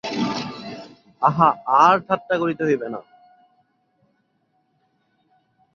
আহা, আর ঠাট্টা করিতে হইবে না।